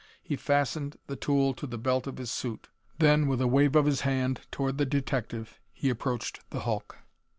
He fastened the tool to the belt of his suit. Then, with a wave of his hand toward the detective, he approached the hulk.